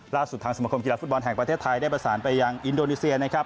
ล่าสุดทางสมคมกีฬาฟุตบอลแห่งประเทศไทยได้ประสานไปยังอินโดนีเซียนะครับ